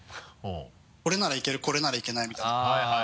「これならいけるこれならいけない」みたいな。